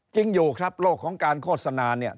จริงอยู่ครับโลกของการโฆษณาเนี่ย